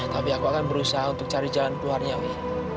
tapi aku akan berusaha untuk cari jalan keluarnya wi